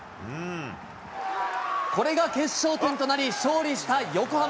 これが決勝点となり、勝利した横浜。